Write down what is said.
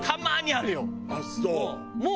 あっそう。